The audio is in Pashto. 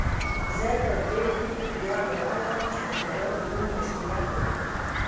زه پر دې ټکي پوره باور لرم چې استادان دروند مسؤلیت لري.